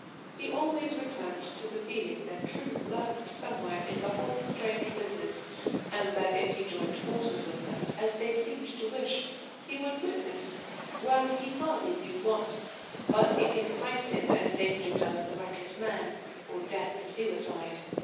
He always returned to the feeling that truth lurked somewhere in the whole strange business, and that if he joined forces with them, as they seemed to wish, he would witness well, he hardly knew what but it enticed him as danger does the reckless man, or death the suicide.